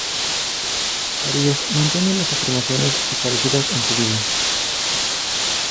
Farías mantiene las afirmaciones aparecidas en su libro.